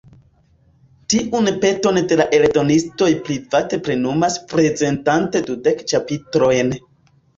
Tiun peton de la eldonistoj Privat plenumis prezentante dudek ĉapitrojn.